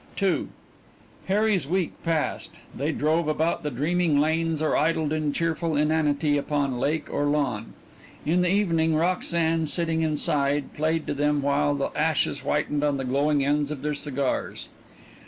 II Harry's week passed. They drove about the dreaming lanes or idled in cheerful inanity upon lake or lawn. In the evening Roxanne, sitting inside, played to them while the ashes whitened on the glowing ends of their cigars.